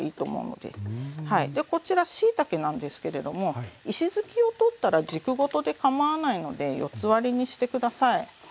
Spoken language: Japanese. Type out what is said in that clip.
でこちらしいたけなんですけれども石づきを取ったら軸ごとでかまわないので四つ割りにして下さい。